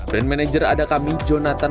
brand manager adakami jonathan